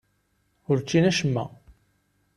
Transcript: Ur ččin acemma.